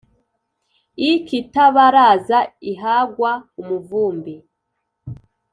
i kitabaraza ihagwa umuvumbi